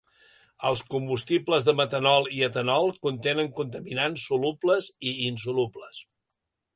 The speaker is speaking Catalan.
Els combustibles de metanol i etanol contenen contaminants solubles i insolubles.